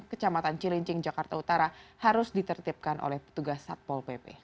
kecamatan cilincing jakarta utara harus ditertipkan oleh petugas satpol pp